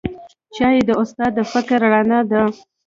چای د استاد د فکر رڼا ده